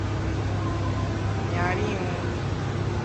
ghàrá ịnwụ